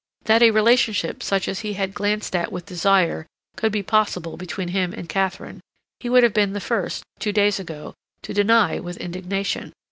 That a relationship such as he had glanced at with desire could be possible between him and Katharine, he would have been the first, two days ago, to deny with indignation.